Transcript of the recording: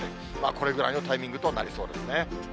これぐらいのタイミングとなりそうですね。